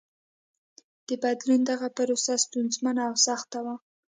د بدلون دغه پروسه ستونزمنه او سخته وه.